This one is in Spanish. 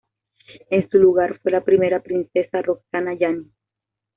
En su lugar fue la primera princesa Roxana Yani.